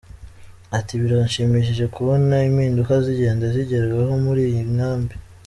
Ati"Birashimishije kubona impinduka zigenda zigerwaho muri iyi inkambi.